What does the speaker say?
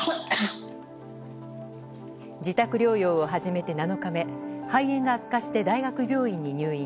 自宅療養を始めて７日目肺炎が悪化して大学病院に入院。